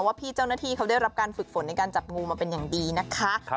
ว่าพี่เจ้าหน้าที่เขาได้รับการฝึกฝนในการจับงูมาเป็นอย่างดีนะคะ